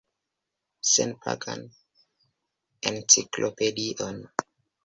Senpagan enciklopedion.